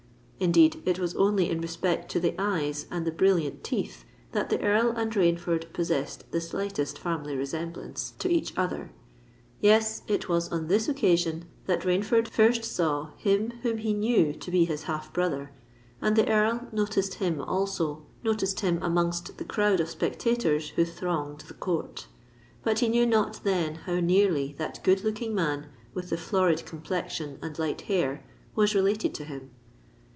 Indeed, it was only in respect to the eyes and the brilliant teeth, that the Earl and Rainford possessed the slightest family resemblance to each other. Yes:—it was on this occasion that Rainford first saw him whom he knew to be his half brother; and the Earl noticed him also,—noticed him amongst the crowd of spectators who thronged the court;—but he knew not then how nearly that good looking man, with the florid complexion and light hair, was related to him!